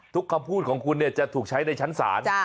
คำพูดของคุณจะถูกใช้ในชั้นศาล